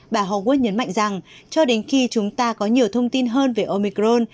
bà huad nhấn mạnh rằng cho đến khi chúng ta có nhiều thông tin hơn về omicron